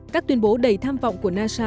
các tuyên bố đầy tham vọng của nasa